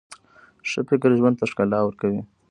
ښه فکر ژوند ته ښکلا ورکوي.